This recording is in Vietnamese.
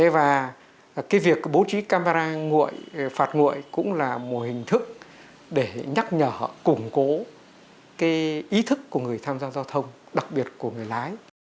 và việc bố trí camera phạt nguội cũng là một hình thức để nhắc nhở củng cố ý thức của người tham gia giao thông đặc biệt của người lái